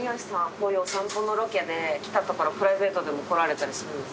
こういうおさんぽのロケで来た所プライベートでも来られたりするんですか？